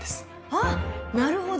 あっなるほど！